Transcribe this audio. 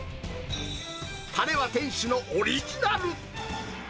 たれは店主のオリジナル。